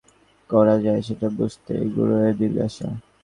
বাইচুংয়ের বিরুদ্ধে কাকে সমর্থন করা যায় সেটা বুঝতেই গুরুংয়ের দিল্লি আসা।